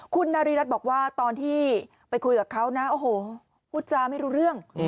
คุณนารีรัฐบอกว่าตอนที่ไปคุยกับเขานะโอ้โหพูดจาไม่รู้เรื่อง